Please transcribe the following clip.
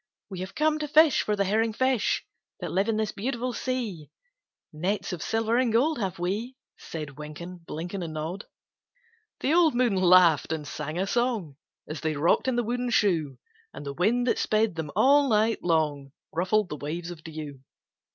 "We have come to fish for the herring fish That live in this beautiful sea; Nets of silver and gold have we!" Said Wynken, Blynken, And Nod. The old moon laughed and sang a song, As they rocked in the wooden shoe, And the wind that sped them all night long Ruffled the waves of dew.